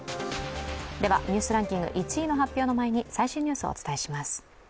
ではニュースランキング１位の発表の前に最新ニュースです。